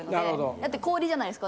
だって氷じゃないですか。